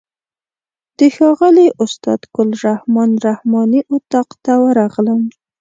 د ښاغلي استاد ګل رحمن رحماني اتاق ته ورغلم.